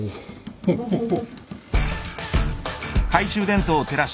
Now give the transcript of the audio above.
ホホホ。